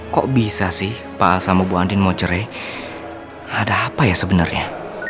kok bisa sih pak al sama bu andin mau cerai ada apa ya sebenarnya